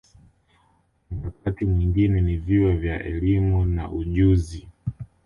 Mkakati mwingine ni vyuo vya elimu na ujuzi w